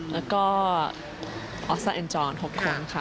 แล้วก็โอซ่าและจอห์นหกคนค่ะ